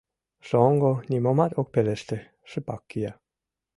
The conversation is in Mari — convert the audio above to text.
Шоҥго нимомат ок пелеште, шыпак кия.